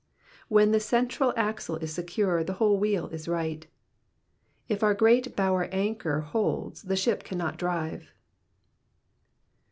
When the central axle is secure, the whole wheel is right. If our great bower anchor holds, the ship cannot drive.